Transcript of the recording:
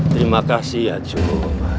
terima kasih ya cuma